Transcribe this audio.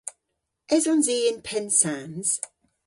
Esons i yn Pennsans?